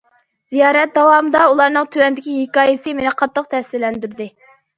زىيارەت داۋامىدا، ئۇلارنىڭ تۆۋەندىكى ھېكايىسى مېنى قاتتىق تەسىرلەندۈردى.